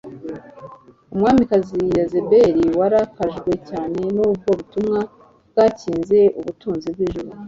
Umwamikazi Yezebeli warakajwe cyane nubwo butumwa bwakinze ubutunzi bwijuru